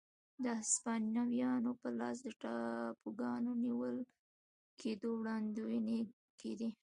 د هسپانویانو په لاس د ټاپوګانو نیول کېدو وړاندوېنې کېدې.